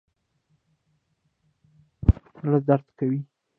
هغه قسم خوري چې پر تاسو مې زړه درد کوي